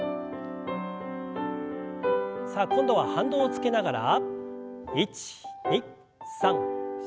さあ今度は反動をつけながら。